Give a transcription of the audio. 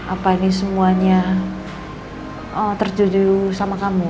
apa ini semuanya terjudul sama kamu